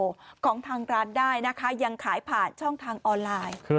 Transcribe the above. ของทางร้านได้นะคะยังขายผ่านช่องทางออนไลน์